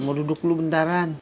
mau duduk dulu bentaran